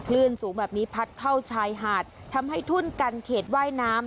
คลื่นสูงแบบนี้พัดเข้าชายหาดทำให้ทุ่นกันเขตว่ายน้ำ